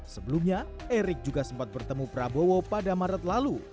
sebelumnya erick juga sempat bertemu prabowo pada maret lalu